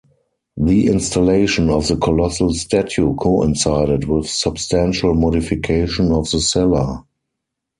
The installation of the colossal statue coincided with substantial modification of the cella.